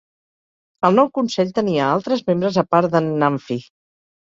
El nou consell tenia altres membres a part de"n Namphy.